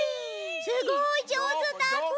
すごいじょうずだった。